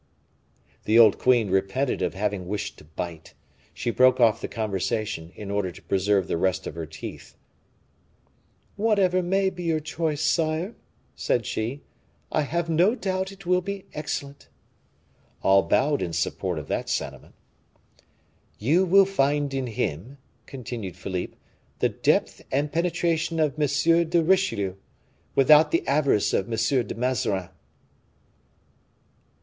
The old queen repented of having wished to bite; she broke off the conversation, in order to preserve the rest of her teeth. "Whatever may be your choice, sire," said she, "I have no doubt it will be excellent." All bowed in support of that sentiment. "You will find in him," continued Philippe, "the depth and penetration of M. de Richelieu, without the avarice of M. de Mazarin!"